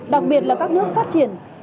đặc biệt là các nước phát triển